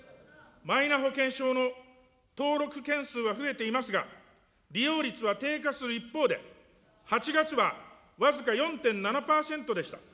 マイナ保険証の登録件数は増えていますが、利用率は低下する一方で、８月は僅か４．７％でした。